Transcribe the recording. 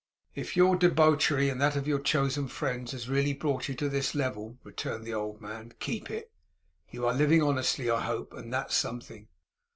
'If your debauchery, and that of your chosen friends, has really brought you to this level,' returned the old man, 'keep it. You are living honestly, I hope, and that's something.